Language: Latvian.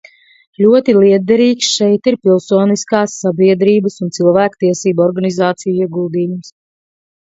Ļoti lietderīgs šeit ir pilsoniskās sabiedrības un cilvēktiesību organizāciju ieguldījums.